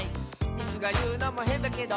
「イスがいうのもへんだけど」